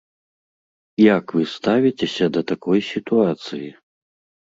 Як вы ставіцеся да такой сітуацыі?